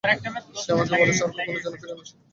সে আমাকে বলেছে আর কখনো যেন ফিরে না আসি।